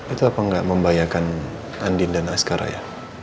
itu apa nggak membahayakan andin dan askara ya